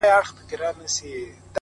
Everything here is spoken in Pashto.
د نیمي شپې آذان ته به زوی مړی ملا راسي.!